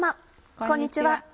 こんにちは。